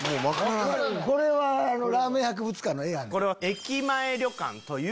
これはラーメン博物館の絵やねん！